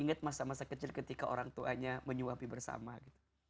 ingat masa masa kecil ketika orang tuanya menyuapi bersama gitu